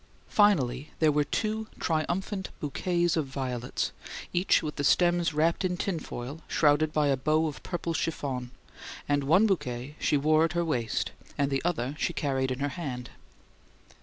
Finally there were two triumphant bouquets of violets, each with the stems wrapped in tin foil shrouded by a bow of purple chiffon; and one bouquet she wore at her waist and the other she carried in her hand.